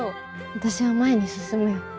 私は前に進むよ。